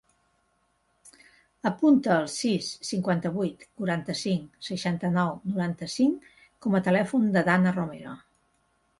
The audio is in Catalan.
Apunta el sis, cinquanta-vuit, quaranta-cinc, seixanta-nou, noranta-cinc com a telèfon de la Danna Romero.